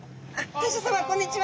大将さまこんにちは。